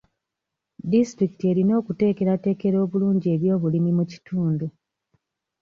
Disitulikiti erina okuteekerateekera obulungi ebyobulimi mu kitundu .